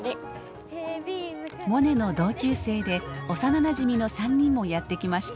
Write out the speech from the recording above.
モネの同級生で幼なじみの３人もやって来ました。